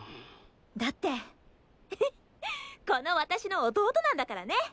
だってフフッこの私の弟なんだからね！